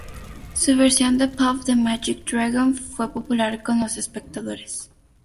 Su versión de "Puff, the Magic Dragon" fue popular con los espectadores.